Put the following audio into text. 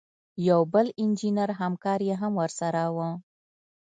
یو بل انجینر همکار یې هم ورسره و.